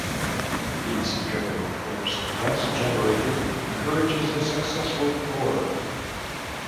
The centrifugal force thus generated encourages a successful pour.